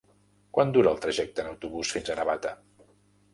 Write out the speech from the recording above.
Quant dura el trajecte en autobús fins a Navata?